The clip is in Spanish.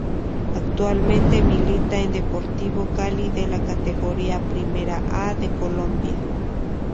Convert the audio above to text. Actualmente milita en el Deportivo Cali de la Categoría Primera A de Colombia.